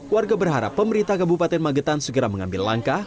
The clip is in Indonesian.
warga berharap pemerintah kabupaten magetan segera mengambil langkah